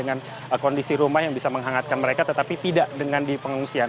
dengan kondisi rumah yang bisa menghangatkan mereka tetapi tidak dengan di pengungsian